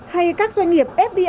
hay các doanh nghiệp mới khởi nghiệp